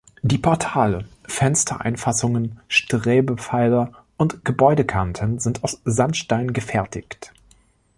Die Portale, Fenstereinfassungen, Strebepfeiler und Gebäudekanten sind aus Sandstein gefertigt.